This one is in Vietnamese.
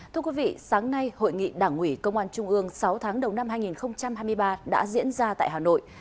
thưa quý vị sáng nay hội nghị đảng ủy công an trung ương sáu tháng đầu năm hai nghìn hai mươi ba đã diễn ra tại hà nội